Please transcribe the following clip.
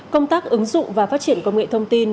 công tác ứng dụng và phát triển công nghệ thông tin